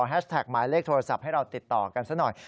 แท็กหมายเลขโทรศัพท์ให้เราติดต่อกันซะหน่อย